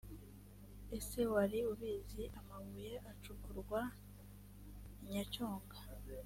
ese wari ubizi?amabuye acukurwa nyacyonga